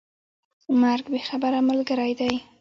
مرګ بې خبره ملګری دی.